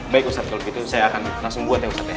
baik ustadz kalau gitu saya akan langsung buat ya ustadz ya